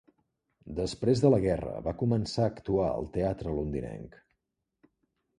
Després de la guerra, va començar a actuar al teatre londinenc.